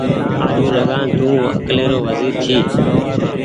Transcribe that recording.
آجوٚنٚ لگآن تونٚ اڪلي رو وزير جي